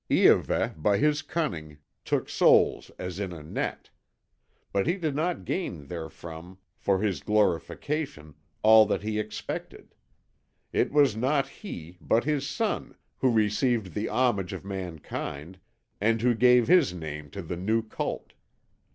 Iahveh, by his cunning, took souls as in a net. But he did not gain therefrom, for his glorification, all that he expected. It was not he, but his son, who received the homage of mankind, and who gave his name to the new cult.